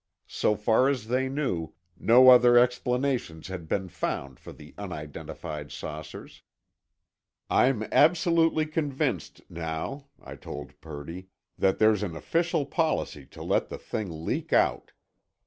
So far as they knew, no other explanations had be n found for the unidentified saucers. 'I in absolutely convinced now," I told Purdy, "that here's an official policy to let the thing leak out.